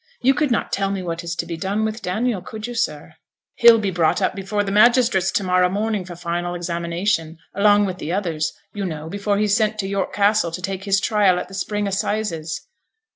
You could not tell me what is to be done with Daniel, could you, sir?' 'He'll be brought up before the magistrates to morrow morning for final examination, along with the others, you know, before he's sent to York Castle to take his trial at the spring assizes.'